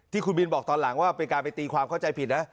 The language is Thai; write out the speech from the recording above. ที่คุณบินบอกตอนหลังว่าเป็นการไปตีความเข้าใจผิดนะ